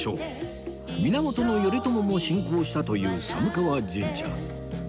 源頼朝も信仰したという寒川神社